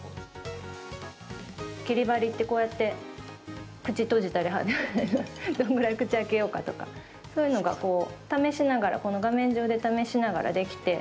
切り貼りってこうやって口閉じたりどんぐらい口開けようかとかそういうのが試しながら画面上で試しながらできて。